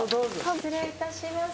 失礼いたします。